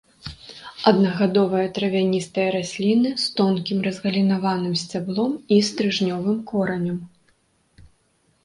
Аднагадовыя травяністыя расліны з тонкім разгалінаваным сцяблом і стрыжнёвым коранем.